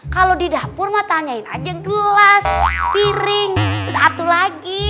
kalau di dapur mau tanyain aja yang gelas piring satu lagi